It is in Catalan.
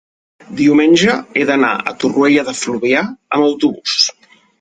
diumenge he d'anar a Torroella de Fluvià amb autobús.